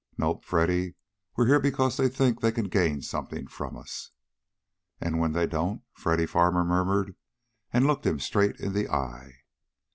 Nope, Freddy, we're here because they think they can gain something from us." "And when they don't?" Freddy Farmer murmured, and looked him straight in the eye.